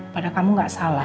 pada kamu gak salah